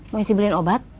mau isi beli obat